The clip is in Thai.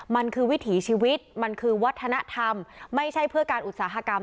มันคือวิถีชีวิตมันคือวัฒนธรรมไม่ใช่เพื่อการอุตสาหกรรม